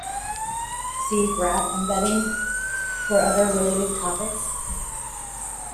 See "graph embedding" for other related topics.